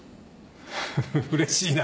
フフうれしいな。